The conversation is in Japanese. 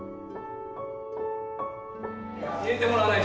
入れてもらわないと。